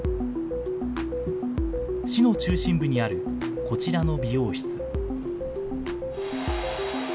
市の中心部にあるこちらの美容室。